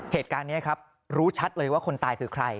เหตุการณ์นี้ครับรู้ชัดเลยว่าคนตายคือใคร